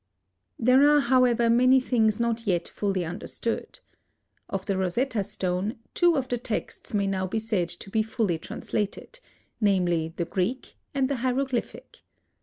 There are, however, many things not yet fully understood. Of the Rosetta Stone, two of the texts may now be said to be fully translated; namely, the Greek and the hieroglyphic.